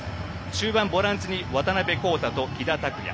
中盤のボランチに渡辺皓太と喜田拓也。